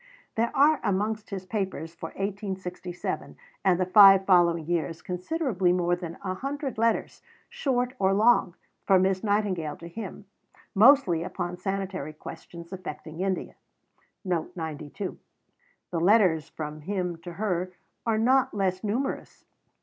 "There are amongst his papers for 1867 and the five following years considerably more than a hundred letters, short or long, from Miss Nightingale to him, mostly upon sanitary questions affecting India." The letters from him to her are not less numerous.